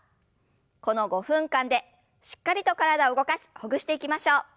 この５分間でしっかりと体を動かしほぐしていきましょう。